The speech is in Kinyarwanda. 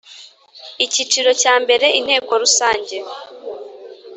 Icyiciro cya mbere Inteko Rusange